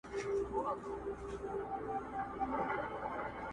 په رقيب چي مي اختر دي!